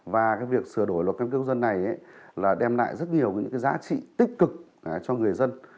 và việc sửa đổi luật căng cấp công dân này là đem lại rất nhiều giá trị tích cực cho người dân